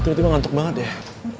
tiba tiba ngantuk banget ya